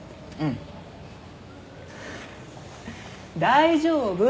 大丈夫。